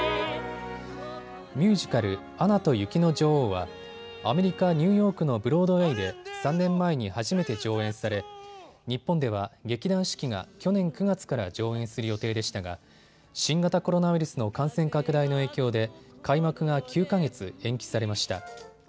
ミュージカル、アナと雪の女王はアメリカ・ニューヨークのブロードウェイで３年前に初めて上演され日本では劇団四季が去年９月から上演する予定でしたが新型コロナウイルスの感染拡大の影響で開幕が９か月延期されました。